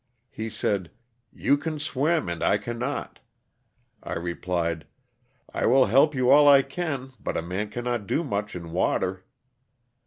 He said, '*you can swim and I cannot." I replied, ^'I will help you all I can, but a man cannot do much in water."